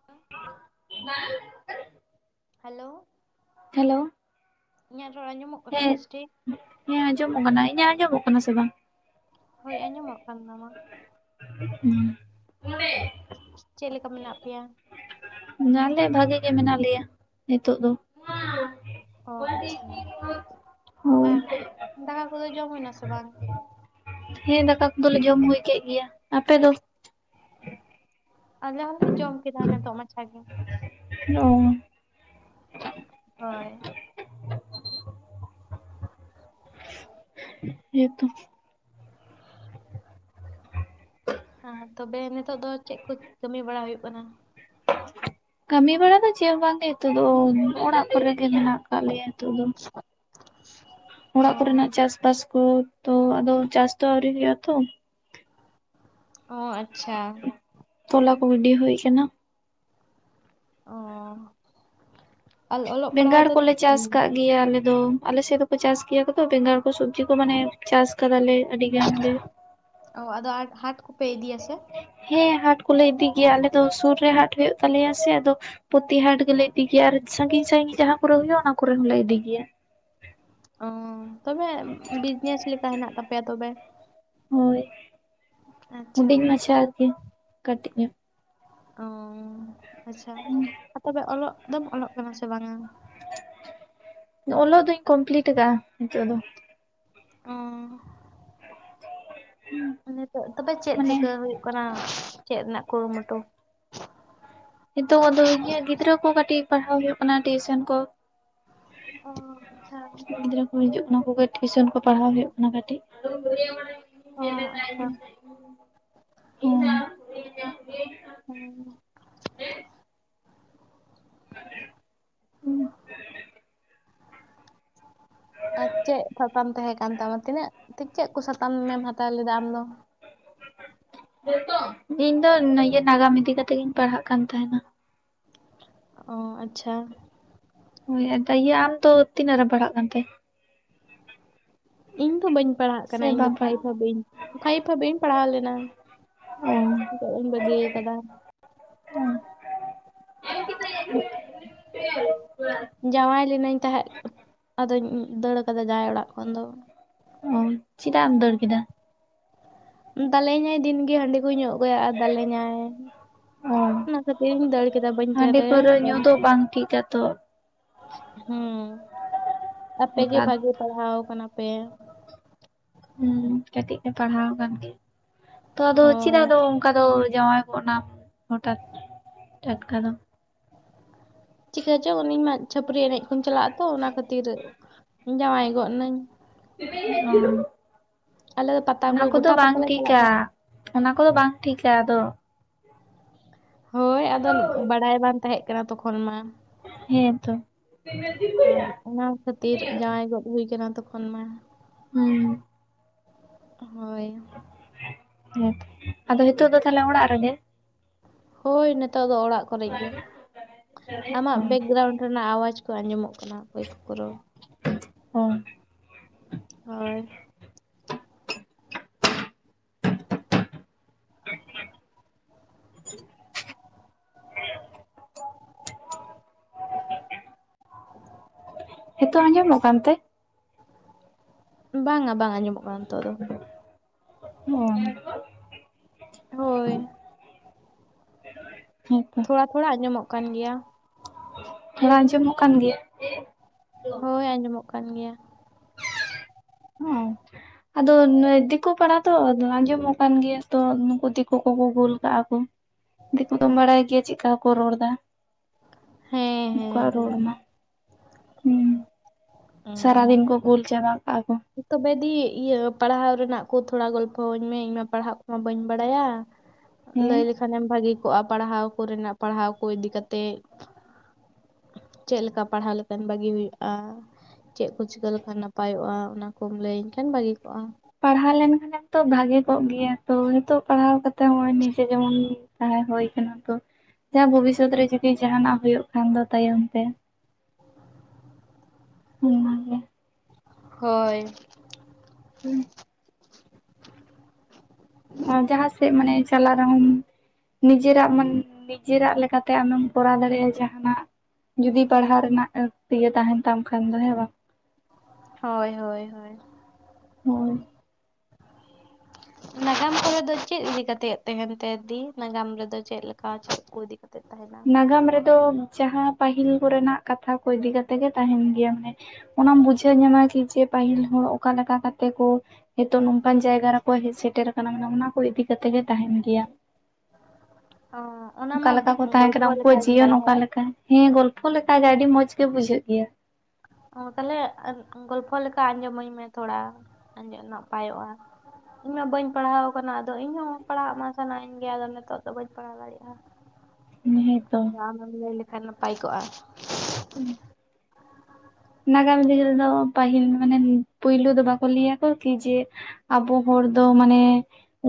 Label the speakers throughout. Speaker 1: [inaudible]
Speaker 2: Hello
Speaker 1: hello
Speaker 2: ᱤᱧᱟᱜ ᱨᱚᱲ ᱟᱸᱡᱚᱢᱚᱜ ᱠᱟᱱᱟ
Speaker 1: ᱦᱮᱸ
Speaker 2: ᱵᱮᱥᱴᱷᱤᱠ
Speaker 1: ᱦᱮᱸ ᱟᱸᱡᱚᱢᱚᱜ ᱠᱟᱱᱟ ᱤᱧᱟᱜ ᱟᱸᱡᱚᱢᱚᱜ ᱠᱟᱱᱟ ᱥᱮ ᱵᱟᱝ
Speaker 2: ᱦᱳᱭ ᱟᱸᱡᱚᱢᱚᱜ ᱠᱟᱱ ᱛᱟᱢᱟ
Speaker 1: [unintelligible]
Speaker 2: ᱪᱮᱫ ᱞᱮᱠᱟ ᱢᱮᱱᱟᱜ ᱯᱮᱭᱟ
Speaker 1: ᱟᱞᱮ ᱵᱷᱟᱜᱮ ᱜᱮ ᱢᱮᱱᱟᱜ ᱞᱮᱭᱟ ᱱᱤᱛᱚᱜ ᱫᱚ᱾
Speaker 2: ᱚ ᱟᱪᱪᱷᱟ
Speaker 1: ᱦᱳᱭ
Speaker 2: ᱟᱨ ᱫᱟᱠᱟ ᱠᱚᱫᱚ ᱡᱚᱢ ᱦᱩᱭᱱᱟ ᱥᱮ ᱵᱟᱝ?
Speaker 1: ᱦᱮᱸ ᱫᱟᱠᱟ ᱠᱚᱫᱚᱞᱮ ᱡᱚᱢ ᱦᱩᱭ ᱠᱮᱫ ᱜᱮᱭᱟ᱾ ᱟᱯᱮ ᱫᱚ?
Speaker 2: ᱟᱞᱮ ᱦᱚᱸᱞᱮ ᱡᱚᱢ ᱠᱮᱫᱟ ᱱᱤᱛᱚᱜ ᱢᱟᱪᱷᱟ ᱜᱮ᱾
Speaker 1: ᱚ
Speaker 2: ᱦᱳᱭ᱾
Speaker 1: ᱦᱮᱸ ᱛᱚ᱾
Speaker 2: [inaudible] ᱦᱟ ᱛᱚᱵᱮ ᱱᱤᱛᱳᱜ ᱫᱚ ᱪᱮᱫ ᱠᱚ ᱠᱟᱹᱢᱤ ᱵᱟᱲᱟ ᱦᱩᱭᱩᱜ ᱠᱟᱱᱟ?
Speaker 1: ᱠᱟᱹᱢᱤ ᱵᱟᱲᱟ ᱫᱚ ᱪᱮᱫ ᱦᱚᱸ ᱵᱟᱝᱜᱮ ᱱᱤᱛᱳᱜ ᱫᱚ ᱚᱲᱟᱜ ᱠᱚᱨᱮ ᱜᱮ ᱦᱟᱜ ᱟᱞᱮᱭᱟᱜ ᱱᱤᱛᱚᱜ ᱫᱚ
Speaker 2: ᱚ
Speaker 1: ᱚᱲᱟᱜ ᱠᱚᱨᱮᱱᱟᱜ ᱪᱟᱥᱵᱟᱥ ᱠᱚ ᱛᱚ ᱟᱫᱚ ᱪᱟᱥ ᱛᱚ ᱟᱹᱣᱨᱤ ᱦᱩᱭᱩᱜᱼᱟ ᱛᱚ᱾
Speaker 2: ᱚ ᱟᱪᱪᱷᱟ᱾
Speaker 1: ᱛᱚᱞᱟ ᱠᱚ ᱜᱤᱰᱤ ᱦᱩᱭ ᱠᱟᱱᱟ?
Speaker 2: ᱚ ᱟᱞ ᱚᱞᱚᱜ ᱯᱟᱲᱦᱟᱣ
Speaker 1: ᱵᱮᱸᱜᱟᱲ
Speaker 2: ᱫᱚ?
Speaker 1: ᱠᱚᱞᱮ ᱪᱟᱥ
Speaker 2: [unintelligible]
Speaker 1: ᱠᱟᱜ ᱜᱮᱭᱟ ᱟᱞᱮᱫᱚ ᱟᱞᱮᱥᱮᱫ ᱫᱚᱠᱚ ᱪᱟᱥ ᱜᱮᱭᱟ ᱠᱚᱫᱚ ᱵᱮᱸᱜᱟᱲ ᱠᱚ ᱥᱚᱵᱽᱡᱤ ᱠᱚ ᱢᱟᱱᱮ ᱪᱟᱥ ᱠᱟᱫᱟᱞᱮ ᱟᱹᱰᱤ ᱜᱟᱱ ᱜᱮ᱾
Speaker 2: ᱚ ᱟᱫᱚ ᱦᱟᱴ ᱠᱚᱯᱮ ᱤᱫᱤᱭᱟ ᱥᱮ
Speaker 1: ᱦᱮᱸ ᱦᱟᱴ ᱠᱚᱞᱮ ᱤᱫᱤ ᱜᱮᱭᱟ ᱟᱞᱮ ᱫᱚ ᱥᱩᱨ ᱨᱮ ᱦᱟᱴ ᱦᱩᱭᱩᱜ ᱛᱟᱞᱮᱭᱟ ᱥᱮ ᱟᱫᱚ ᱯᱚᱛᱤ ᱦᱟᱴ ᱜᱮᱞᱮ ᱤᱫᱤ ᱜᱮᱭᱟ ᱟᱨ ᱥᱟᱺᱜᱤᱧ ᱥᱟᱺᱜᱤᱧ ᱡᱟᱦᱟᱸ ᱠᱚᱨᱮ ᱦᱩᱭᱩᱜ ᱚᱱᱟ ᱠᱚᱨᱮ ᱦᱚᱸᱞᱮ ᱤᱫᱤ ᱜᱮᱭᱟ
Speaker 2: ᱚ ᱛᱚᱵᱮ ᱵᱤᱡᱽᱱᱮᱥ ᱞᱮᱠᱟ ᱦᱮᱱᱟᱜ ᱛᱟᱯᱮᱭᱟ ᱛᱚᱵᱮ
Speaker 1: ᱦᱳᱭ
Speaker 2: ᱟᱪᱪᱷᱟ
Speaker 1: ᱦᱩᱰᱤᱧ ᱢᱟᱪᱷᱟ ᱟᱨᱠᱤ ᱠᱟᱹᱴᱤᱡ
Speaker 2: ᱚ ᱟᱪᱪᱷᱟ ᱛᱚᱵᱮ ᱚᱞᱚᱜ ᱫᱚᱢ ᱚᱞᱚᱜ ᱠᱟᱱᱟ ᱥᱮ ᱵᱟᱝᱼᱟ
Speaker 1: ᱚᱞᱚᱜ ᱫᱩᱧ ᱠᱚᱢᱯᱞᱤᱴ ᱠᱟᱜᱼᱟ ᱱᱤᱛᱳᱜ ᱫᱚ
Speaker 2: ᱚ ᱱᱤᱛᱚᱜ ᱛᱚᱵᱮ ᱪᱮᱫ
Speaker 1: ᱢᱟᱱᱮ
Speaker 2: ᱪᱤᱠᱟᱹ ᱦᱩᱭᱩᱜ ᱠᱟᱱᱟ ᱪᱮᱫ ᱨᱮᱱᱟᱜ ᱠᱩᱨᱩᱢᱩᱴᱩ?
Speaker 1: ᱱᱤᱛᱚᱜ ᱟᱫᱚ ᱤᱧᱟᱹᱜ ᱜᱤᱫᱽᱨᱟᱹ ᱠᱚ ᱠᱟᱹᱴᱤᱡ ᱯᱟᱲᱦᱟᱣ ᱦᱩᱭᱩᱜ ᱠᱟᱱᱟ ᱴᱤᱭᱩᱥᱮᱱ ᱠᱚ
Speaker 2: ᱚ ᱟᱪᱪᱷᱟ
Speaker 1: [unintelligible] ᱦᱤᱡᱩᱜ ᱠᱟᱱᱟ ᱠᱚᱜᱮ ᱴᱤᱭᱩᱥᱚᱱ ᱠᱚ ᱯᱟᱲᱦᱟᱣ ᱦᱩᱭᱩᱜ ᱠᱟᱱᱟ ᱠᱟᱹᱴᱤᱡ
Speaker 2: ᱚ ᱟᱪᱪᱷᱟ
Speaker 1: ᱚ
Speaker 2: ᱦᱩᱸ
Speaker 1: ᱦᱩᱸ
Speaker 2: ᱟᱨ ᱪᱮᱫ ᱥᱟᱛᱷᱟᱢ ᱛᱟᱦᱮᱸ ᱠᱟᱱ ᱛᱟᱢᱟ ᱛᱤᱱᱟᱹᱜ ᱪᱮᱫ ᱠᱚ ᱥᱟᱛᱟᱢ ᱮᱢ ᱦᱟᱛᱟᱣ ᱞᱮᱫᱟ ᱟᱢᱫᱚ
Speaker 1: ᱤᱧ ᱫᱚ ᱤᱭᱟᱹ ᱱᱟᱜᱟᱢ ᱤᱫᱤ ᱠᱟᱛᱮ ᱜᱤᱧ ᱯᱟᱲᱦᱟᱜ ᱠᱟᱱ ᱛᱟᱦᱮᱱᱟ
Speaker 2: ᱚ ᱟᱪᱪᱷᱟ
Speaker 1: ᱦᱳᱭ ᱮᱱ ᱤᱭᱟᱹ ᱟᱢ ᱫᱚ ᱛᱤᱱᱟᱹᱜ ᱨᱮᱢ ᱯᱟᱲᱦᱟᱜ ᱠᱟᱱ ᱛᱮ
Speaker 2: ᱤᱧ ᱫᱚ ᱵᱟᱹᱧ ᱯᱟᱲᱦᱟᱜ
Speaker 1: ᱥᱮ
Speaker 2: ᱠᱟᱱᱟ ᱤᱧ ᱫᱚ
Speaker 1: ᱵᱟᱢ
Speaker 2: ᱯᱷᱟᱭᱤᱟᱹᱵ
Speaker 1: ᱯᱟᱲᱦᱟᱜᱼᱟ
Speaker 2: ᱯᱷᱟᱭᱤᱵ ᱦᱟᱹᱵᱤᱡ ᱤᱧ ᱯᱟᱲᱦᱟᱣ ᱞᱮᱱᱟ
Speaker 1: ᱦᱮᱸ
Speaker 2: ᱛᱚᱜ ᱤᱧ ᱵᱟᱹᱜᱤ ᱠᱟᱫᱟ
Speaker 1: [inaudible]
Speaker 2: ᱡᱟᱶᱟᱭ ᱞᱮᱤᱱᱟᱹᱧ ᱛᱟᱦᱮᱸᱫ ᱟᱫᱚᱧ ᱫᱟᱹᱲ ᱠᱟᱫᱟ ᱡᱟᱦᱟᱸᱶᱭ ᱚᱲᱟᱜ ᱠᱷᱚᱱ ᱫᱚ
Speaker 1: ᱚ ᱪᱮᱫᱟᱜ ᱮᱢ ᱫᱟᱹᱲ ᱠᱮᱫᱟ
Speaker 2: ᱫᱟᱞᱮ ᱧᱟᱭ ᱫᱤᱱᱜᱮ ᱦᱟᱺᱰᱤ ᱠᱚ ᱧᱚᱜ ᱟᱹ ᱜᱩᱭᱟ ᱫᱟᱞᱮᱧᱟᱭ
Speaker 1: ᱚ
Speaker 2: ᱚᱱᱟ ᱠᱷᱟᱹᱛᱤᱨ ᱤᱧ ᱫᱟᱹᱲ ᱠᱮᱫᱟ ᱵᱟᱹᱧ ᱛᱟᱦᱮᱸ
Speaker 1: ᱦᱟᱺᱰᱤ
Speaker 2: ᱫᱟᱲᱮᱭᱟᱜᱼᱟ
Speaker 1: ᱯᱟᱹᱣᱨᱟᱹ
Speaker 2: ᱫᱟᱹᱲ
Speaker 1: ᱧᱩ ᱫᱚ ᱵᱟᱝ ᱴᱷᱤᱠᱟ ᱛᱚ
Speaker 2: ᱦᱮᱸ ᱟᱯᱮ ᱜᱮ
Speaker 1: ᱱᱮᱛᱟᱨ
Speaker 2: ᱵᱷᱟᱜᱤ ᱯᱟᱲᱦᱟᱣ ᱠᱟᱱᱟ ᱯᱮ
Speaker 1: ᱦᱩᱸ ᱠᱟᱹᱴᱤᱡ ᱞᱮ ᱯᱟᱲᱦᱟᱣ ᱟᱠᱟᱱ ᱜᱮᱭᱟ ᱛᱚ ᱟᱫᱚ ᱪᱮᱫ
Speaker 2: ᱦᱳᱭ
Speaker 1: ᱟᱫᱚ ᱚᱱᱠᱟ ᱫᱚ ᱡᱟᱶᱟᱭ ᱜᱚᱜ ᱱᱟᱢ ᱦᱚᱴᱟᱛ ᱴᱟᱴᱠᱟ ᱫᱚ
Speaker 2: ᱪᱤᱠᱟᱹᱪᱚ ᱩᱱᱤ ᱢᱟ ᱪᱷᱟᱹᱯᱨᱤ ᱮᱱᱮᱡ ᱠᱚ ᱪᱟᱞᱟᱜᱼᱟ ᱛᱚ ᱚᱱᱟ ᱠᱷᱟᱹᱛᱤᱨ ᱡᱟᱶᱟᱭ ᱜᱚᱫ ᱱᱟᱹᱧ ᱟᱞᱮ ᱫᱚ ᱯᱟᱛᱟ ᱠᱚ
Speaker 1: ᱚᱱᱟ ᱠᱚᱫᱚ
Speaker 2: ᱜᱚᱴᱟ
Speaker 1: ᱵᱟᱝ
Speaker 2: ᱯᱟᱛᱟᱞᱮ ᱪᱟᱞᱟᱜ
Speaker 1: ᱴᱷᱤᱠᱟ
Speaker 2: ᱠᱟᱱ
Speaker 1: ᱚᱱᱟ ᱠᱚᱫᱚ ᱵᱟᱝ ᱴᱷᱤᱠᱟ ᱟᱫᱚ
Speaker 2: ᱦᱳᱭ ᱟᱫᱚ ᱵᱟᱲᱟᱭ ᱵᱟᱝ ᱛᱟᱦᱮᱸ ᱠᱟᱱᱟ ᱛᱚᱠᱷᱚᱱ ᱢᱟ
Speaker 1: ᱦᱮᱸ ᱛᱚ
Speaker 2: ᱟᱨ ᱚᱱᱟ ᱠᱷᱟᱹᱛᱤᱨ ᱡᱟᱶᱟᱭ ᱜᱚᱫ ᱦᱩᱭ ᱠᱟᱱᱟ ᱛᱚᱠᱷᱚᱱ ᱛᱚᱠᱷᱚᱱ ᱢᱟ
Speaker 1: ᱦᱩᱸ
Speaker 2: ᱦᱳᱭ
Speaker 1: ᱦᱮᱸ ᱟᱫᱚ ᱱᱤᱛᱳᱜ ᱫᱚ ᱛᱟᱦᱞᱮ ᱚᱲᱟᱜ ᱨᱮᱜᱮ
Speaker 2: ᱦᱳᱭ ᱱᱤᱛᱚᱜ ᱫᱚ ᱚᱲᱟᱜ ᱠᱚᱨᱮ ᱜᱮ ᱟᱢᱟᱜ ᱵᱮᱠᱜᱨᱟᱣᱩᱱᱰ ᱨᱮᱱᱟᱜ ᱟᱣᱟᱡᱽ ᱠᱚ ᱟᱸᱡᱚᱢᱚᱜ ᱠᱟᱱᱟ ᱚᱠᱚᱭ ᱠᱚ ᱠᱚ ᱨᱚᱲ
Speaker 1: ᱚ
Speaker 2: ᱦᱳᱭ
Speaker 1: [inaudible]
Speaker 2: [inaudible]
Speaker 1: ᱦᱤᱛᱚᱜ ᱟᱸᱡᱚᱢᱚᱜ ᱠᱟᱱ ᱛᱮ?
Speaker 2: ᱵᱟᱝᱟ ᱵᱟᱝ ᱟᱸᱡᱚᱢᱚᱜ ᱠᱟᱱᱟ ᱱᱤᱛᱳᱜ ᱫᱚ
Speaker 1: ᱦᱩ
Speaker 2: ᱦᱳᱭ᱾
Speaker 1: ᱦᱮᱸᱛᱚ
Speaker 2: ᱛᱷᱚᱲᱟ ᱛᱷᱚᱲᱟ ᱟᱸᱡᱚᱢᱚᱜ ᱠᱟᱱ ᱜᱮᱭᱟ᱾
Speaker 1: ᱛᱷᱚᱱᱟ ᱟᱸᱡᱚᱢᱚᱜ ᱠᱟᱱ ᱜᱮᱭᱟ?
Speaker 2: ᱦᱳᱭ ᱟᱸᱡᱚᱢᱚᱜ ᱠᱟᱱ ᱜᱮᱭᱟ᱾
Speaker 1: ᱦᱮᱸ
Speaker 2: [inaudible]
Speaker 1: ᱟᱫᱚ ᱫᱤᱠᱩ ᱯᱟᱲᱟ ᱛᱚ ᱟᱸᱡᱚᱢᱚᱜ ᱠᱟᱱᱟᱱ ᱜᱮᱭᱟ ᱛᱚ ᱱᱩᱠᱩ ᱫᱤᱠᱩ ᱠᱚᱠᱚ ᱜᱳᱞ ᱠᱟᱜ-ᱟ ᱠᱚ᱾ ᱫᱤᱠᱩ ᱫᱚᱢ ᱵᱟᱲᱟᱭ ᱜᱮᱭᱟ ᱪᱮᱫᱠᱟ ᱠᱚ ᱨᱚᱲᱫᱟ᱾
Speaker 2: ᱦᱮᱸ ᱦᱮᱸ
Speaker 1: ᱚᱠᱩᱣᱟᱜ ᱨᱚᱣᱚᱲ
Speaker 2: ᱦᱮᱸ
Speaker 1: ᱢᱟ ᱦᱮᱸ ᱥᱟᱨᱟ
Speaker 2: ᱩᱸ
Speaker 1: ᱫᱤᱱ? ᱜᱩᱞ ᱪᱟᱵ ᱠᱟᱼᱟ ᱠᱚ᱾
Speaker 2: ᱛᱚᱵᱮ ᱫᱤ ᱤᱭᱟᱹ ᱯᱟᱲᱦᱟᱣ ᱨᱮᱱᱟᱜ ᱠᱚ ᱛᱷᱚᱲᱟ ᱜᱚᱞᱯᱷᱚᱟᱹᱧ ᱢᱮ ᱤᱧᱢᱟ ᱯᱟᱲᱦᱟᱜ ᱠᱚᱢᱟ ᱵᱟᱹᱧ ᱵᱟᱲᱟᱭᱟ᱾
Speaker 1: ᱦᱮᱸ
Speaker 2: ᱞᱟᱹᱭ ᱞᱮᱠᱷᱟᱱᱮᱢ ᱵᱷᱟᱜᱮ ᱠᱚᱜ-ᱟ ᱯᱟᱲᱦᱟᱣ ᱠᱚᱨᱮᱱᱟᱜ ᱯᱟᱲᱦᱟᱣ ᱠᱚ ᱤᱫᱤ ᱠᱟᱛᱮ᱾ ᱪᱮᱫᱮ ᱞᱮᱠᱟ ᱯᱟᱲᱦᱟᱣ ᱞᱮᱠᱷᱟᱱ ᱵᱷᱟᱹᱜᱤ ᱦᱩᱭᱩᱜ-ᱟ ᱪᱮᱫ ᱠᱚ ᱪᱤᱠᱟᱹ ᱞᱮᱠᱷᱟᱱ ᱱᱟᱯᱟᱭᱚᱜ-ᱟ᱾ ᱚᱱᱟᱠᱚᱢ ᱞᱟᱹᱭᱟᱹᱧ ᱠᱷᱟᱱ ᱵᱷᱟᱹᱜᱤ ᱠᱚᱜ-ᱟ᱾
Speaker 1: ᱯᱟᱲᱦᱟᱣ ᱞᱮᱱᱠᱷᱟᱱ ᱛᱚ ᱵᱷᱟᱜᱮ ᱠᱚᱜ ᱜᱮᱭᱟ ᱛᱚ ᱱᱤᱛᱚᱜ ᱯᱟᱲᱦᱟᱣ ᱠᱟᱛᱮᱜ ᱱᱚᱜ ᱚᱭ ᱱᱤᱡᱮ ᱡᱮᱢᱚᱱ ᱛᱟᱦᱮᱸ ᱦᱳ ᱠᱟᱱᱟ ᱛᱚ ᱡᱟᱦᱟᱸ ᱵᱷᱚᱵᱤᱥᱚᱛ ᱨᱮ ᱡᱩᱫᱤ ᱡᱟᱦᱟᱱᱟᱜ ᱦᱩᱭᱩᱜ ᱠᱷᱟᱱ ᱫᱚ ᱛᱟᱭᱚᱢ ᱛᱮ᱾ ᱚᱱᱟᱜᱮ᱾
Speaker 2: ᱦᱳᱭ᱾
Speaker 1: ᱦᱩᱸ᱾ ᱚ ᱡᱟᱦᱟᱸ ᱥᱮᱫ ᱢᱟᱱᱮ ᱪᱟᱞᱟᱜ ᱨᱮᱦᱚᱸᱢ ᱱᱤᱡᱮᱨᱟᱜ ᱢᱟᱱ ᱱᱤᱡᱮᱨᱟᱜ ᱞᱮᱠᱟᱛᱮ ᱟᱢᱮᱢ ᱠᱚᱨᱟᱣ ᱫᱟᱲᱮᱭᱟᱜ-ᱟ ᱡᱟᱦᱟᱱᱟᱜ ᱡᱩᱫᱤ ᱯᱟᱲᱦᱟᱜ ᱨᱮᱱᱟᱜ ᱤᱭᱟᱹ ᱛᱟᱦᱮᱱ ᱛᱟᱢ ᱠᱷᱟᱱ ᱫᱚ ᱦᱮᱸ ᱵᱟᱝ᱾
Speaker 2: ᱦᱳᱭ ᱦᱳᱭ ᱦᱳᱭ᱾
Speaker 1: ᱦᱳᱸᱭ᱾
Speaker 2: [inaudible] ᱱᱟᱜᱟᱢ ᱠᱚᱨᱮ ᱫᱚ ᱪᱮᱫ ᱤᱫᱤ ᱠᱟᱛᱮᱫ ᱛᱟᱦᱮᱱ ᱛᱟᱭ ᱫᱤ ᱱᱟᱜᱟᱢ ᱨᱮᱫᱚ ᱪᱮᱫ ᱞᱮᱠᱟ ᱪᱮᱫ ᱠᱚ ᱤᱫᱤ ᱠᱟᱛᱮ?
Speaker 1: ᱱᱟᱜᱟᱢ ᱨᱮᱫᱚ ᱡᱟᱦᱟᱸ ᱯᱟᱹᱦᱤᱞ ᱠᱚᱨᱮᱱᱟᱜ ᱠᱟᱛᱷᱟ ᱠᱚ ᱤᱫᱤ ᱠᱟᱛᱮᱜ ᱜᱮ ᱛᱟᱦᱮᱱ ᱜᱮᱭᱟ ᱢᱟᱱᱮ ᱚᱱᱟᱢ ᱵᱩᱡᱷᱟᱹᱣ ᱧᱟᱢᱟ ᱠᱤ ᱡᱮ ᱯᱟᱹᱦᱤᱞ ᱦᱚᱲ ᱚᱠᱟ ᱞᱮᱠᱟ ᱠᱟᱛᱮ ᱠᱚ ᱱᱤᱛᱚᱜ ᱱᱚᱝᱠᱟᱱ ᱡᱟᱭᱜᱟ ᱨᱮᱠᱚ ᱦᱮᱡ ᱥᱮᱴᱮᱨ ᱟᱠᱟᱱᱟ ᱚᱱᱟ ᱠᱚ ᱤᱫᱤ ᱠᱟᱛᱮᱜ ᱜᱮ ᱛᱟᱦᱮᱱ ᱜᱮᱭᱟ᱾
Speaker 2: ᱚ ᱚᱱᱟ
Speaker 1: ᱚᱠᱟ
Speaker 2: ᱢᱟ
Speaker 1: ᱞᱮᱠᱟ ᱠᱚ ᱛᱟᱦᱮᱸ
Speaker 2: ᱜᱚᱞᱯᱷᱚ
Speaker 1: ᱠᱟᱱᱟ ᱩᱱᱠᱩᱣᱟᱜ
Speaker 2: ᱞᱮᱠᱟᱜᱮ
Speaker 1: ᱡᱤᱭᱚᱱ
Speaker 2: ᱛᱟᱞᱦᱮ
Speaker 1: ᱚᱠᱟ ᱞᱮᱠᱟ ᱦᱮᱸ ᱜᱚᱞᱯᱚ ᱞᱮᱠᱟ ᱜᱮ ᱟᱹᱰᱤ ᱢᱚᱸᱡᱽ ᱜᱮ ᱵᱩᱡᱷᱟᱹᱜ ᱜᱮᱭᱟ
Speaker 2: ᱚ ᱛᱟᱦᱞᱮ ᱜᱚᱞᱯᱷᱚ ᱞᱮᱠᱟ ᱟᱸᱡᱚᱢᱟᱹᱧ ᱢᱮ ᱛᱷᱚᱲᱟ ᱟᱸᱡᱚᱢ ᱱᱟᱯᱟᱭᱚᱜ-ᱟ᱾ ᱤᱧ ᱢᱟ ᱵᱟᱹᱧ ᱯᱟᱲᱦᱟᱣ ᱠᱟᱱᱟ ᱟᱫᱚ ᱤᱧᱦᱚᱸ ᱯᱟᱲᱦᱟᱜ ᱢᱟ ᱥᱟᱱᱟᱭᱤᱧ ᱜᱮ ᱟᱫᱚ ᱱᱤᱛᱚᱜ ᱫᱚ ᱵᱟᱹᱧ ᱯᱟᱲᱦᱟᱣ ᱫᱟᱲᱮᱭᱟᱜ-ᱟ᱾ ᱦ [inaudible]
Speaker 1: ᱦᱮᱸᱛᱚ
Speaker 2: ᱟᱢ ᱮᱢ ᱞᱟᱹᱭ ᱞᱮᱠᱷᱟᱱ ᱱᱟᱯᱟᱭ ᱠᱚᱜ-ᱟ
Speaker 1: ᱦᱩᱸ ᱱᱟᱜᱟᱢ ᱫᱤᱱ ᱨᱮᱫᱚ ᱯᱟᱹᱦᱤᱞ ᱢᱟᱱᱮ ᱯᱳᱭᱞᱩ ᱫᱚ ᱵᱟᱠᱚ ᱞᱟᱹᱭᱟᱠᱚ ᱠᱤ ᱡᱮ ᱟᱵᱚ ᱦᱚᱲ ᱫᱚ ᱢᱟᱱᱮ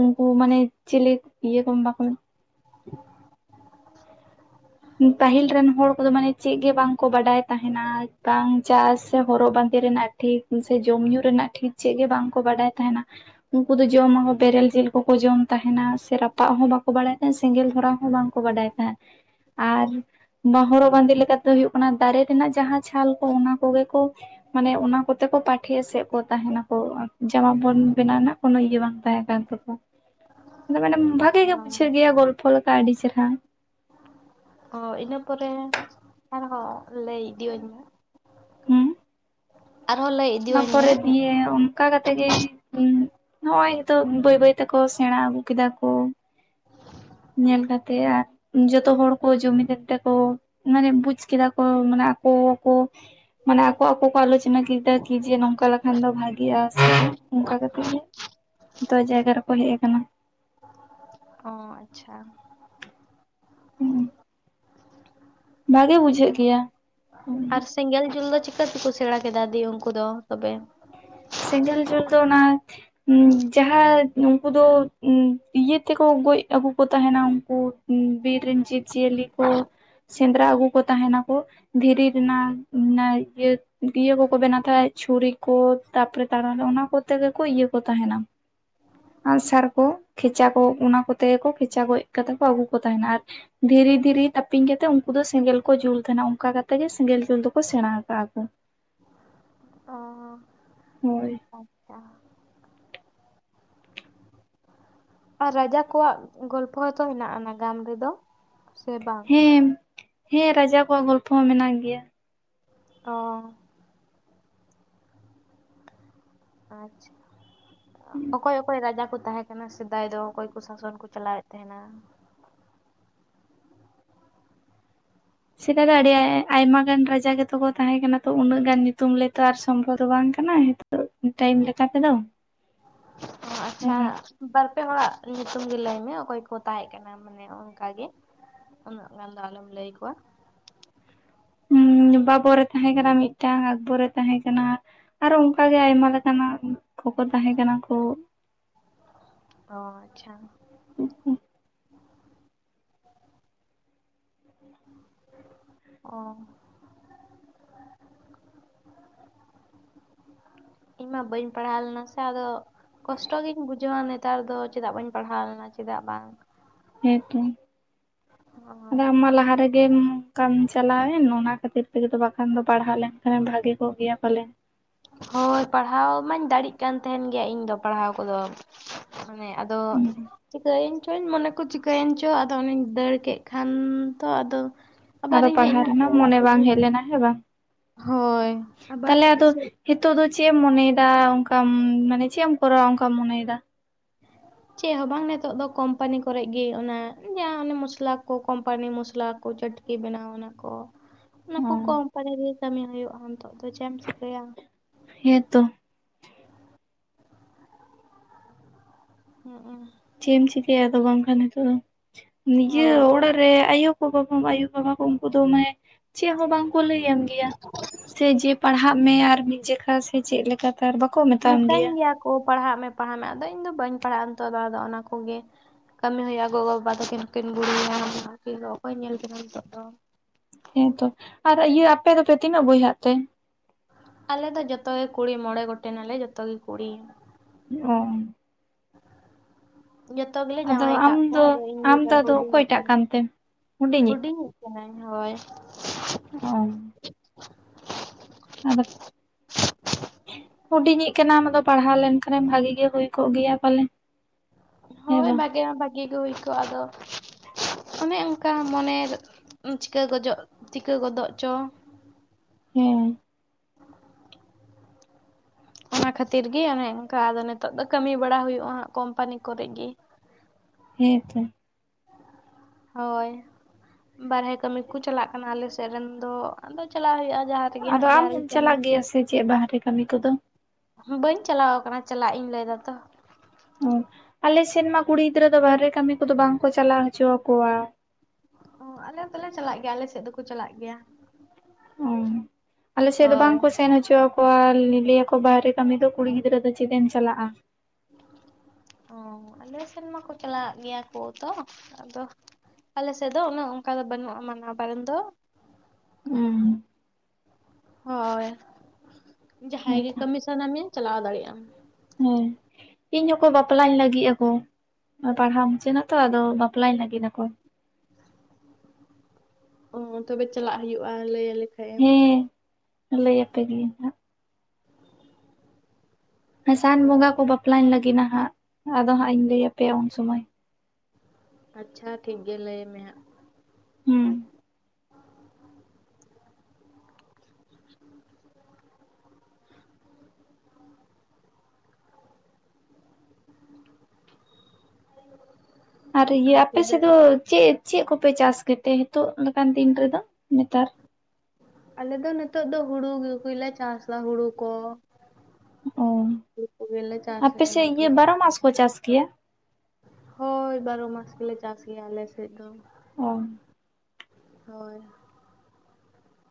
Speaker 1: ᱩᱱᱠᱩ ᱢᱟᱱᱮ ᱪᱤᱞᱮ ᱤᱭᱟᱹ ᱠᱚ ᱵᱟᱠᱚ
Speaker 2: [inaudible]
Speaker 1: ᱯᱟᱹᱦᱤᱞ ᱨᱮᱱ ᱦᱚᱲ ᱠᱚᱫᱚ ᱢᱟᱱᱮ ᱪᱮᱫ ᱜᱮ ᱵᱟᱝᱠᱚ ᱵᱟᱰᱟᱭ ᱛᱟᱦᱮᱱᱟ ᱵᱟᱝ ᱪᱟᱥ ᱥᱮ ᱦᱚᱨᱚᱜ ᱵᱟᱸᱫᱮ ᱨᱮᱱᱟᱜ ᱴᱷᱤᱠ ᱥᱮ ᱡᱚᱢ ᱧᱩ ᱨᱮᱱᱟᱜ ᱴᱷᱤᱠ ᱪᱮᱫ ᱜᱮ ᱵᱟᱝᱠᱚ ᱵᱟᱰᱟᱭ ᱛᱟᱦᱮᱱᱟ ᱩᱱᱠᱩ ᱫᱚ ᱡᱚᱢᱟᱠᱚ ᱵᱮᱨᱮᱞ ᱡᱤᱞ ᱠᱚᱠᱚ ᱡᱚᱢ ᱛᱟᱦᱮᱱᱟ ᱥᱮ ᱨᱟᱯᱟᱜ ᱦᱚᱸ ᱵᱟᱠᱚ ᱵᱟᱲᱟᱭ ᱛᱟᱦᱮᱱᱟ ᱥᱮᱸᱜᱮᱞ ᱫᱷᱚᱨᱟ ᱦᱚᱸ ᱵᱟᱝ ᱠᱚ ᱵᱟᱰᱟᱭ ᱛᱟᱦᱮᱸ ᱟᱨ ᱢᱟ ᱦᱚᱨᱚᱜ ᱵᱟᱸᱫᱮ ᱫᱚ ᱦᱩᱭᱩᱜ ᱠᱟᱱᱟ ᱫᱟᱨᱮ ᱨᱮᱱᱟᱜ ᱡᱟᱦᱟᱸ ᱪᱷᱟᱞ ᱠᱚ ᱚᱱᱟ ᱠᱚᱜᱮ ᱠᱚ ᱢᱟᱱᱮ ᱚᱱᱟ ᱠᱚᱛᱮ ᱠᱚ ᱯᱟᱴᱷᱮ ᱮᱥᱮᱫ ᱠᱚ ᱛᱟᱦᱮᱱᱟᱠᱚ ᱡᱟᱢᱟ ᱯᱮᱱ ᱵᱮᱱᱟᱣ ᱨᱮᱱᱟᱜ ᱠᱳᱱᱚ ᱤᱭᱟᱹ ᱵᱟᱝ ᱛᱟᱦᱮᱸ ᱠᱟᱱ ᱛᱟᱠᱚᱭᱟ ᱟᱫᱚ ᱢᱟᱱᱮ ᱵᱷᱟᱜᱮ ᱜᱮ ᱵᱩᱡᱷᱟᱹᱣ ᱜᱮᱭᱟ ᱜᱚᱞᱯᱚ ᱞᱮᱠᱟ ᱟᱹᱰᱤ ᱪᱮᱨᱦᱟ
Speaker 2: ᱚ ᱤᱱᱟᱹ ᱯᱚᱨᱮ ᱟᱨᱦᱚᱸ ᱞᱟᱹᱭ ᱤᱫᱤᱧ ᱢᱮ
Speaker 1: ᱦᱩᱸ
Speaker 2: ᱟᱨᱦᱚᱸ ᱞᱟᱹᱭ
Speaker 1: ᱚᱱᱟ
Speaker 2: ᱤᱫᱤᱧ ᱢᱮ
Speaker 1: ᱯᱚᱨᱮ ᱫᱤᱭᱮ ᱚᱱᱠᱟ ᱠᱟᱛᱮᱜ ᱜᱮ ᱱᱚᱜ ᱚᱭ ᱱᱤᱛᱚᱜ ᱵᱟᱹᱭ ᱵᱟᱹᱭ ᱛᱮᱠᱚ ᱥᱮᱬᱟ ᱟᱹᱜᱩ ᱠᱮᱫᱟ ᱠᱚ ᱧᱮᱞ ᱠᱟᱛᱮᱜ ᱟᱨ ᱡᱚᱛᱚ ᱦᱚᱲ ᱠᱚ ᱡᱩᱢᱤᱫ ᱛᱮᱠᱚ ᱢᱟᱱᱮ ᱵᱩᱡ ᱠᱮᱫᱟ ᱠᱚ ᱢᱟᱱᱮ ᱟᱠᱚ ᱟᱠᱚ ᱠᱚ ᱢᱟᱱᱮ ᱟᱠᱚ ᱟᱠᱚ ᱠᱚᱣᱟᱜ ᱟᱞᱚᱱᱟ [inaudible] ᱠᱤ ᱡᱮ ᱱᱚᱝᱠᱟ ᱞᱮᱠᱷᱟᱱ ᱫᱚ ᱵᱷᱟᱜᱤᱜᱼᱟ ᱥᱮ ᱚᱱᱠᱟ ᱠᱟᱛᱮᱜ ᱜᱮ ᱡᱚᱛᱚ ᱡᱟᱭᱜᱟ ᱨᱮᱠᱚ ᱦᱮᱡ ᱟᱠᱟᱱᱟ
Speaker 2: ᱚ ᱟᱪᱪᱷᱟ
Speaker 1: ᱦᱩᱸ ᱵᱷᱟᱜᱮ ᱵᱩᱡᱷᱟᱹᱜ ᱜᱮᱭᱟ
Speaker 2: ᱟᱨ ᱥᱮᱸᱜᱮᱞ ᱡᱩᱞ ᱫᱚ ᱪᱤᱠᱟᱹ ᱛᱮᱠᱚ ᱥᱮᱬᱟ ᱠᱮᱫᱟ ᱫᱤᱮ ᱩᱱᱠᱩ ᱫᱚ ᱛᱚᱵᱮ
Speaker 1: ᱥᱮᱸᱜᱮᱞ ᱡᱩᱞ ᱫᱚ ᱚᱱᱟ ᱡᱟᱦᱟᱸ ᱩᱱᱠᱩ ᱫᱚ ᱤᱭᱟᱹ ᱛᱮᱠᱚ ᱜᱚᱡ ᱟᱹᱜᱩ ᱠᱚ ᱛᱟᱦᱮᱱᱟ ᱩᱱᱠᱩ ᱵᱤᱨ ᱨᱮᱱ ᱡᱤᱵᱽ ᱡᱤᱭᱟᱹᱞᱤ ᱠᱚ ᱥᱮᱸᱫᱽᱨᱟ ᱟᱹᱜᱩ ᱠᱚ ᱛᱟᱦᱮᱱᱟᱠᱚ ᱫᱷᱤᱨᱤ ᱨᱮᱱᱟᱜ ᱤᱭᱟᱹ ᱠᱚᱠᱚ ᱵᱮᱱᱟᱣ ᱛᱟᱦᱮᱸᱫ ᱪᱷᱩᱨᱤ ᱠᱚ ᱛᱟᱯᱚᱨᱮ ᱛᱟᱲᱚᱞᱮ ᱚᱱᱟ ᱠᱚᱛᱮ ᱜᱮᱠᱚ ᱤᱭᱟᱹ ᱠᱚ ᱛᱟᱦᱮᱱᱟ ᱟᱜ ᱥᱟᱨ ᱠᱚ ᱠᱷᱮᱪᱟ ᱠᱚ ᱚᱱᱟ ᱠᱚᱛᱮ ᱠᱚ ᱠᱷᱮᱪᱟ ᱜᱚᱡ ᱠᱟᱛᱮ ᱠᱚ ᱟᱹᱜᱩ ᱠᱚ ᱛᱟᱦᱮᱱᱟ ᱟᱨ ᱫᱷᱤᱨᱤ ᱫᱷᱤᱨᱤ ᱛᱟᱹᱯᱤᱧ ᱠᱟᱛᱮᱫ ᱩᱱᱠᱩ ᱫᱚ ᱥᱮᱸᱜᱮᱞ ᱠᱚ ᱡᱩᱞ ᱛᱟᱦᱮᱱᱟ ᱚᱱᱠᱟ ᱠᱟᱛᱮᱜ ᱜᱮ ᱥᱮᱸᱜᱮᱞ ᱡᱩᱞ ᱫᱚᱠᱚ ᱥᱮᱬᱟ ᱟᱠᱟᱫᱟ ᱠᱚ
Speaker 2: ᱚ
Speaker 1: ᱦᱳᱭ
Speaker 2: ᱟᱪᱪᱷᱟ ᱟᱨ ᱨᱟᱡᱟ ᱠᱚᱣᱟᱜ ᱜᱚᱞᱯᱷᱚᱛᱚ ᱦᱮᱱᱟᱜᱼᱟ ᱱᱟᱜᱟᱢ ᱨᱮᱫᱚ ᱥᱮ ᱵᱟᱝ
Speaker 1: ᱦᱮᱸ ᱨᱟᱡᱟ ᱠᱚᱣᱟᱜ ᱜᱚᱞᱯᱚ ᱦᱚᱸ ᱢᱮᱱᱟᱜ ᱜᱮᱭᱟ
Speaker 2: ᱚ ᱟᱪᱪᱷᱟ ᱚᱠᱚᱭ ᱚᱠᱚᱭ ᱨᱟᱡᱟ ᱠᱚ ᱛᱟᱦᱮᱸ ᱠᱟᱱᱟ ᱠᱟᱱᱟ ᱥᱮᱫᱟᱭ ᱫᱚ ᱚᱠᱚᱭ ᱠᱚ ᱥᱟᱥᱚᱱ ᱠᱚ ᱪᱟᱞᱟᱣᱮᱫ ᱛᱟᱦᱮᱱᱟ
Speaker 1: ᱥᱮᱫᱟᱭ ᱫᱚ ᱟᱹᱰᱤ ᱟᱭ ᱟᱭᱢᱟ ᱜᱟᱱ ᱨᱟᱡᱟ ᱜᱮᱛᱚ ᱠᱚ ᱛᱟᱦᱮᱸ ᱠᱟᱱᱟ ᱛᱚ ᱩᱱᱟᱹᱜ ᱜᱟᱱ ᱧᱩᱛᱩᱢ ᱞᱟᱹᱭᱛᱚ ᱟᱨ ᱥᱚᱢᱵᱷᱚᱵᱽ ᱫᱚ ᱵᱟᱝ ᱠᱟᱱᱟ ᱴᱟᱭᱤᱢ ᱞᱮᱠᱟ ᱛᱮᱫᱚ
Speaker 2: ᱚ
Speaker 1: ᱦᱮᱸ
Speaker 2: ᱟᱪᱪᱷᱟ
Speaker 1: ᱵᱟᱝ
Speaker 2: ᱵᱟᱨᱯᱮ ᱦᱚᱲᱟᱜ ᱧᱩᱛᱩᱢ ᱜᱮ ᱞᱟᱹᱭ ᱢᱮ ᱚᱠᱚᱭ ᱠᱚ ᱛᱟᱦᱮᱸ ᱠᱟᱱᱟ ᱢᱟᱱᱮ ᱚᱱᱠᱟᱜᱮ ᱩᱱᱟᱹᱜ ᱜᱟᱱ ᱫᱚ ᱟᱞᱚᱢ ᱞᱟᱹᱭ ᱠᱚᱣᱟ
Speaker 1: ᱦᱩ ᱵᱟᱵᱚᱨᱮ ᱛᱟᱦᱮᱸ ᱠᱟᱱᱟ ᱢᱤᱫᱴᱟᱝ ᱟᱠᱠᱵᱚᱨᱮ ᱛᱟᱦᱮᱸ ᱠᱟᱱᱟ ᱟᱨᱚ ᱚᱱᱠᱟ ᱜᱮ ᱟᱭᱢᱟ ᱞᱮᱠᱟᱱᱟᱜ ᱠᱷᱚᱠᱚ ᱛᱟᱦᱮᱸ ᱠᱟᱱᱟ ᱠᱚ
Speaker 2: ᱚ ᱟᱪᱪᱷᱟ
Speaker 1: ᱚ
Speaker 2: ᱚ ᱤᱧ ᱢᱟ ᱵᱟᱹᱧ ᱯᱟᱲᱦᱟᱣ ᱞᱮᱱᱟ ᱥᱮ ᱟᱫᱚ ᱠᱚᱥᱴᱚ ᱜᱤᱧ ᱵᱩᱡᱷᱟᱹᱣᱟ ᱱᱮᱛᱟᱨ ᱫᱚ ᱪᱮᱫᱟᱜ ᱵᱟᱹᱧ ᱯᱟᱲᱦᱟᱣ ᱞᱮᱱᱟ ᱪᱮᱫᱟᱜ ᱵᱟᱝ
Speaker 1: ᱦᱮᱸ ᱛᱚ ᱟᱫ ᱟᱢ ᱢᱟ ᱞᱟᱦᱟᱨᱮ ᱜᱮᱢ ᱚᱱᱠᱟᱢ ᱪᱟᱞᱟᱣᱮᱱ ᱚᱱᱟ ᱠᱷᱟᱹᱛᱤᱨ ᱛᱮᱜᱮᱚ ᱵᱟᱠᱷᱟᱱ ᱫᱚ ᱯᱟᱲᱦᱟᱣ ᱞᱮᱱᱠᱷᱟᱱ ᱵᱷᱟᱜᱮ ᱠᱚᱜ ᱜᱮᱭᱟ ᱯᱟᱞᱮᱱ
Speaker 2: ᱦᱳᱭ ᱯᱟᱲᱦᱟᱣ ᱢᱟᱧ ᱫᱟᱲᱮᱜ ᱠᱟᱱ ᱛᱟᱦᱮᱱ ᱜᱮᱭᱟ ᱤᱧᱫᱚ ᱯᱟᱲᱦᱟᱣ ᱠᱚᱫᱚ ᱢᱟᱱᱮ ᱟᱫᱚ ᱪᱤᱠᱟᱹᱭ ᱮᱱ ᱪᱩᱧ ᱪᱚᱧ ᱢᱚᱱᱮ ᱠᱚ ᱪᱤᱠᱟᱹᱭᱮᱱ ᱪᱚ ᱟᱫᱚ ᱚᱱᱟᱧ ᱫᱟᱹᱲ ᱠᱮᱫ ᱠᱷᱟᱱ ᱛᱚ ᱟᱫᱚ
Speaker 1: ᱟᱫᱚ
Speaker 2: ᱟᱵᱟᱨᱤᱧ ᱦᱮᱡ
Speaker 1: ᱯᱟᱲᱦᱟᱣ
Speaker 2: ᱮᱱᱟ ᱟᱞᱮ
Speaker 1: ᱨᱮᱱᱟᱜ
Speaker 2: ᱚᱲᱟᱜ
Speaker 1: ᱢᱚᱱᱮ ᱵᱟᱝ
Speaker 2: ᱛᱮᱜᱮ
Speaker 1: ᱦᱮᱡ ᱞᱮᱱᱟ ᱦᱮᱸ ᱵᱟᱝ
Speaker 2: ᱦᱳᱭ ᱟᱵᱟᱨ ᱥᱮ
Speaker 1: ᱱᱤᱛᱚᱜ ᱫᱚ ᱪᱮᱫ ᱮᱢ ᱢᱚᱱᱮᱭᱮᱫᱟ ᱚᱱᱠᱟᱢ ᱢᱟᱱᱮ ᱪᱮᱫ ᱮᱢ ᱠᱚᱨᱟᱣᱟ ᱚᱱᱠᱟᱢ ᱢᱚᱱᱮᱭᱮᱫᱟ
Speaker 2: [unintelligible] ᱪᱮᱫ ᱦᱚᱸ ᱵᱟᱝ ᱱᱤᱛᱚᱜ ᱫᱚ ᱠᱚᱢᱯᱟᱱᱤ ᱠᱚᱨᱮ ᱜᱮ ᱚᱱᱟ ᱡᱟᱦᱟᱸ ᱚᱱᱮ ᱢᱚᱥᱞᱟ ᱠᱚ ᱠᱚᱢᱯᱟᱱᱤ ᱢᱚᱥᱞᱟ ᱠᱚ ᱪᱟᱹᱴ ᱠᱤ ᱵᱮᱱᱟᱣ ᱚᱱᱟᱠᱚ ᱚᱱᱟ
Speaker 1: ᱚ
Speaker 2: ᱠᱚ ᱠᱳᱢᱯᱟᱱᱤ ᱨᱮᱜ ᱠᱟᱹᱢᱤ ᱦᱩᱭᱩᱜᱼᱟ ᱱᱤᱛᱚᱜ ᱫᱚ ᱪᱮᱫ ᱮᱢ ᱪᱤᱠᱟᱹᱭᱟ
Speaker 1: ᱦᱮᱸ ᱛᱚ
Speaker 2: ᱦᱚᱸᱜ ᱚᱸ
Speaker 1: ᱪᱮ-ᱮᱢ ᱪᱤᱠᱟᱹᱭᱟ ᱟᱫᱚ ᱵᱟᱝᱠᱷᱟᱱ ᱦᱤᱛᱚᱜ ᱫᱚ
Speaker 2: ᱦᱳᱭ
Speaker 1: ᱱᱤᱡᱮᱨᱟᱜ ᱚᱲᱟᱜ ᱟᱭᱩ ᱠᱚ ᱵᱟᱵᱟ ᱟᱭᱩᱼᱵᱟᱵᱟ ᱠᱚ ᱩᱱᱠᱩ ᱫᱚ ᱢᱟᱱᱮ ᱪᱮᱫ ᱦᱚᱸ ᱵᱟᱝᱠᱚ ᱞᱟᱹᱭᱟᱢ ᱜᱮᱭᱟ ᱥᱮ ᱡᱮ ᱯᱟᱲᱦᱟᱜ ᱢᱮ ᱟᱨ ᱢᱤᱫ ᱡᱚᱠᱷᱟ ᱥᱮ ᱪᱮᱫ ᱞᱮᱠᱟᱛᱮ ᱟᱨ ᱵᱟᱠᱚ ᱢᱮᱱᱟ
Speaker 2: ᱢᱮᱛᱟᱹᱧ ᱜᱮᱭᱟ ᱠᱚ ᱯᱟᱲᱦᱟᱜ ᱢᱮ ᱯᱟᱲᱦᱟᱜ ᱢᱮ ᱟᱫᱚ ᱤᱧᱫᱚ ᱵᱟᱹᱧ ᱯᱟᱲᱦᱟᱜᱼᱟ ᱱᱤᱛᱚᱜ ᱫᱚ ᱟᱫᱚ ᱚᱱᱟ ᱠᱚᱜᱮ ᱠᱟᱹᱢᱤ ᱦᱩᱭᱩᱜᱼᱟ ᱜᱚᱜᱚᱼᱵᱟᱵᱟ ᱛᱟᱹᱠᱤᱱ ᱦᱚᱸᱠᱤᱱ ᱵᱩᱲᱷᱤᱭᱱᱟ ᱟᱫᱚ ᱚᱠᱚᱭ ᱧᱮᱞ ᱠᱤᱱᱟ ᱱᱤᱛᱚᱜ ᱫᱚ
Speaker 1: ᱦᱮᱸᱛᱚ ᱟᱨ ᱤᱭᱟᱹ ᱟᱯᱮ ᱫᱚᱯᱮ ᱛᱤᱱᱟᱹᱜ ᱵᱚᱭᱦᱟᱜ ᱛᱮ
Speaker 2: ᱟᱞᱮ ᱫᱚ ᱡᱚᱛᱚ ᱜᱮ ᱠᱩᱲᱤ ᱢᱚᱬᱮ ᱜᱚᱴᱮᱱᱟᱞᱮ ᱡᱚᱛᱚ ᱜᱮ ᱠᱩᱲᱤ
Speaker 1: ᱚ
Speaker 2: ᱡᱚᱛᱚ ᱜᱮᱞᱮ
Speaker 1: ᱟᱫᱚ
Speaker 2: ᱡᱟᱶᱟᱭ
Speaker 1: ᱟᱢ
Speaker 2: ᱥᱠᱟᱜ ᱠᱚᱣᱟ
Speaker 1: ᱫᱚ
Speaker 2: ᱟᱫᱚ
Speaker 1: ᱟᱢ
Speaker 2: ᱤᱧᱜᱮ
Speaker 1: ᱫᱚ ᱟᱫᱚ
Speaker 2: ᱦᱩᱰᱤᱧᱤᱜ
Speaker 1: ᱚᱠᱚᱭᱴᱟᱜ
Speaker 2: ᱠᱟᱱᱟᱹᱧ
Speaker 1: ᱠᱟᱱᱛᱮᱢ ᱦᱩᱰᱤᱧᱤᱡ?
Speaker 2: ᱦᱩᱰᱤᱧ ᱤᱡ ᱠᱟᱱᱟᱹᱧ ᱦᱳᱭ
Speaker 1: [unintelligible] ᱟᱫᱚ ᱦᱩᱰᱤᱧᱤᱡ ᱠᱟᱱᱟᱢ ᱟᱫᱚ ᱯᱟᱲᱦᱟᱣ ᱞᱮᱱᱠᱷᱟᱱᱮᱢ ᱵᱷᱟᱜᱤ ᱜᱮ ᱦᱩᱭ ᱠᱚᱜ ᱜᱮᱭᱟ ᱯᱟᱞᱮ ᱦᱮᱸ
Speaker 2: ᱦᱳᱭ
Speaker 1: ᱵᱟᱝ
Speaker 2: ᱵᱷᱟᱜᱮ ᱢᱟ ᱵᱷᱟᱜᱮ ᱜᱮ ᱦᱩᱭ ᱠᱚᱜᱼᱟ ᱟᱫᱚ ᱚᱱᱮ ᱚᱱᱠᱟ ᱢᱚᱱᱮ ᱪᱤᱠᱟᱹ ᱜᱚᱫᱚᱜ ᱪᱤᱠᱟᱹ ᱜᱚᱫᱚᱜ ᱪᱚᱝ
Speaker 1: ᱦᱮᱸ
Speaker 2: ᱚᱱᱟ ᱠᱷᱟᱹᱛᱤᱨ ᱜᱮ ᱚᱱᱮ ᱚᱱᱠᱟ ᱟᱫᱚ ᱱᱤᱛᱚᱜ ᱫᱚ ᱠᱟᱹᱢᱤ ᱵᱟᱲᱟ ᱦᱩᱭᱩᱜᱼᱟᱜ ᱠᱳᱢᱯᱟᱱᱤ ᱠᱚᱨᱮ ᱜᱮ
Speaker 1: ᱦᱮᱸ ᱛᱚ
Speaker 2: ᱦᱳᱭ ᱵᱟᱨᱷᱮ ᱠᱟᱹᱢᱤ ᱠᱚ ᱪᱟᱞᱟᱜ ᱠᱟᱱᱟ ᱟᱞᱮ ᱥᱮᱫ ᱨᱮᱱ ᱫᱚ ᱟᱫᱚ ᱪᱟᱞᱟᱜ ᱦᱩᱭᱩᱜᱼᱟ ᱡᱟᱦᱟᱸ ᱨᱮᱜᱮ
Speaker 1: ᱟᱫᱚ
Speaker 2: ᱦᱟᱸᱜ
Speaker 1: ᱟᱢ
Speaker 2: ᱡᱟᱦᱟᱸ ᱨᱮᱜᱮ
Speaker 1: ᱦᱚᱸᱢ
Speaker 2: ᱠᱟᱹᱢᱤ
Speaker 1: ᱪᱟᱞᱟᱜ ᱜᱮᱭᱟ ᱥᱮ ᱪᱮᱫ ᱵᱟᱦᱨᱮ ᱠᱟᱹᱢᱤ ᱠᱚᱫᱚ
Speaker 2: ᱵᱟᱹᱧ ᱪᱟᱞᱟᱣ ᱟᱠᱟᱱᱟ ᱪᱟᱞᱟᱜ ᱤᱧ ᱞᱟᱹᱭ ᱮᱫᱟᱛᱚ
Speaker 1: ᱚ ᱟᱞᱮ ᱥᱮᱫ ᱢᱟ ᱠᱩᱲᱤ ᱜᱤᱫᱽᱨᱟᱹ ᱫᱚ ᱵᱟᱦᱨᱮ ᱠᱟᱹᱢᱤ ᱠᱚᱫᱚ ᱵᱟᱝ ᱠᱚ ᱪᱟᱞᱟᱣ ᱦᱚᱪᱚ ᱟᱠᱚᱣᱟ
Speaker 2: ᱚ ᱟᱞᱮ ᱫᱚᱞᱮ ᱪᱟᱞᱟᱜ ᱜᱮᱭᱟ ᱟᱞᱮ ᱥᱮᱫ ᱫᱚᱠᱚ ᱪᱟᱞᱟᱜ ᱜᱮᱭᱟ
Speaker 1: ᱚ ᱟᱞᱮ ᱥᱮᱫ ᱫᱚ ᱵᱟᱝ
Speaker 2: ᱦᱳᱭ
Speaker 1: ᱠᱚ ᱥᱮᱱ ᱦᱚᱪᱚ ᱟᱠᱚᱣᱟ ᱞᱟᱹᱭᱟᱠᱚ ᱵᱟᱦᱨᱮ ᱠᱟᱹᱢᱤ ᱫᱚ ᱠᱩᱲᱤ ᱜᱤᱫᱽᱨᱟᱹ ᱫᱚ ᱪᱮᱫ ᱮᱢ ᱪᱟᱞᱟᱜᱼᱟ
Speaker 2: ᱚ ᱟᱞᱮ ᱥᱮᱱ ᱢᱟᱠᱚ ᱪᱟᱞᱟᱜᱟᱜ ᱜᱮᱭᱟ ᱠᱚ ᱛᱚ ᱟᱫᱚ ᱟᱞᱮ ᱥᱮᱫ ᱫᱚ ᱩᱱᱟᱹᱜ ᱚᱱᱠᱟ ᱫᱚ ᱵᱟᱹᱱᱩᱜᱼᱟ ᱢᱟᱱᱟ ᱵᱟᱨᱚᱱ ᱫᱚ
Speaker 1: ᱚ
Speaker 2: ᱦᱳᱭ ᱡᱟᱦᱟᱸᱭ ᱜᱮ
Speaker 1: ᱦᱮᱸᱛᱚ
Speaker 2: ᱠᱟᱹᱢᱤ ᱥᱟᱱᱟ ᱢᱮᱭᱟ ᱪᱟᱞᱟᱣ ᱫᱟᱲᱮᱭᱟᱜ ᱟᱢ
Speaker 1: ᱦᱮᱸ ᱤᱧ ᱦᱚᱸᱠᱚ ᱵᱟᱯᱞᱟᱧ ᱞᱟᱹᱜᱤᱫ ᱟᱠᱚ ᱯᱟᱲᱦᱟᱣ ᱢᱩᱪᱟᱹᱫᱚᱜ ᱛᱚ ᱟᱫᱚ ᱵᱟᱯᱞᱟᱧ ᱞᱟᱜᱤᱫ ᱟᱠᱚ ᱟᱫᱚ
Speaker 2: ᱚ ᱛᱚᱵᱮ ᱪᱟᱞᱟᱜ ᱦᱩᱭᱩᱜᱼᱟ ᱞᱟᱹᱭ ᱟᱞᱮ ᱠᱷᱟᱡ ᱮᱢ
Speaker 1: ᱞᱟᱹᱭᱟᱯᱮ ᱜᱤᱭᱟᱹᱧ ᱦᱟᱸᱜ ᱥᱟᱱ
Speaker 2: ᱦᱳᱭ
Speaker 1: ᱵᱚᱸᱜᱟ ᱠᱚ ᱵᱟᱯᱞᱟᱧ ᱞᱟᱹᱜᱤᱫ-ᱟ ᱦᱟᱸᱜ ᱟᱫᱚ ᱦᱟᱸᱜ ᱤᱧ ᱞᱟᱹᱭ ᱟᱯᱮᱭᱟ ᱩᱱ ᱥᱚᱢᱚᱭ᱾
Speaker 2: ᱟᱪᱪᱷᱟ ᱴᱷᱤᱠ ᱜᱮ ᱞᱟᱹᱭ ᱢᱮ ᱦᱟᱸᱜ᱾
Speaker 1: ᱦᱩᱸ ᱟᱨ ᱤᱭᱟᱹ ᱟᱯ ᱥᱮᱫ ᱫᱚ ᱪᱮᱫ ᱪᱮᱫ ᱠᱚᱯᱮ ᱪᱟᱥ ᱜᱮᱛᱮ ᱦᱤᱛᱚᱜ ᱞᱮᱠᱟᱱ ᱫᱤᱱ ᱨᱮᱫᱚ ᱱᱮᱛᱟᱨ?
Speaker 2: ᱟᱞᱮ ᱫᱚ ᱱᱤᱛᱚᱜ ᱫᱚ ᱦᱩᱲᱩᱠᱚᱜᱮᱞᱮ ᱪᱟᱥᱟ ᱦᱩᱲᱩ ᱠᱚ᱾
Speaker 1: ᱚ
Speaker 2: ᱦᱩᱲᱩ ᱠᱚᱜᱮᱞᱮ
Speaker 1: ᱟᱯᱮ
Speaker 2: ᱪᱟᱥᱮᱼᱟ ᱮᱸ
Speaker 1: ᱥᱮᱫ ᱤᱭᱟᱹ
Speaker 2: ᱱᱤᱛᱚᱜ᱾
Speaker 1: ᱵᱟᱨᱚ ᱢᱟᱥ ᱠᱚ ᱪᱟᱥ ᱜᱮᱭᱟ?
Speaker 2: ᱦᱳᱭ ᱵᱟᱨᱚ ᱢᱟᱥ ᱜᱮᱞᱮ ᱪᱟᱥ ᱜᱮᱭᱟ ᱟᱞᱮ ᱥᱮᱫ ᱫᱚ᱾
Speaker 1: ᱚ
Speaker 2: ᱦᱳᱭ